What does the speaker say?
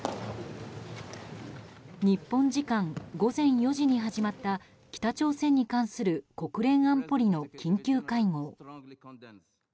日本時間午前４時に始まった北朝鮮に関する国連安保理の緊急会合。